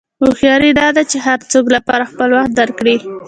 هوښیاري دا ده چې د هر څه لپاره خپل وخت درک کړې.